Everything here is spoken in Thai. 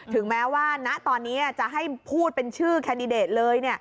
ถึงแม้ว่าณตอนนี้จะให้พูดเป็นชื่อแคนดิเดตเลย